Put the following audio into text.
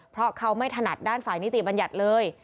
เพราะเขาไม่ถนัดด้านฝ่ายนิติบัญญัติเลย